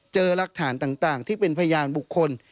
รักฐานต่างที่เป็นพยานบุคคล